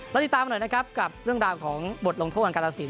ติดตามกันหน่อยนะครับกับเรื่องราวของบทลงโทษของการตัดสิน